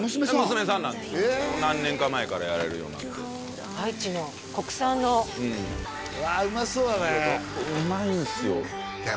娘さんなんですよ何年か前からやられるようになって愛知の国産のうんうわうまそうだねうまいんですよいや